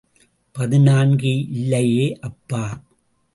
பதினான்கு இல்லையே அப்பா!